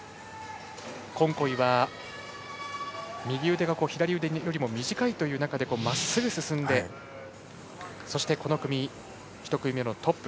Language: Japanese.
コンコイは右腕が左腕よりも短い中でまっすぐ進んでそして、この組１組目のトップ。